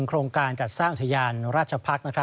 โครงการจัดสร้างอุทยานราชพักษ์